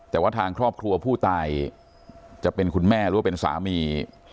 แต่ว่าทางครอบครัวผู้ตายจะเป็นคุณแม่หรือว่าเป็นสามี